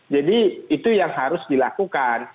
jadi itu yang harus dilakukan